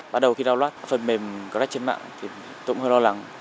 bắt đầu khi download phần mềm crack trên mạng thì tôi cũng hơi lo lắng